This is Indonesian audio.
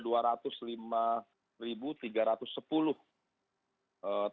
jadi yang kurang lebih besar dari standar yang diminta who ya